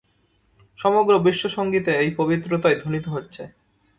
সমগ্র বিশ্বসঙ্গীতে এই পবিত্রতাই ধ্বনিত হচ্ছে।